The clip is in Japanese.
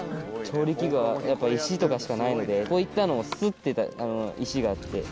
調理器具はやっぱ石とかしかないのでこういったのをすってた石があって。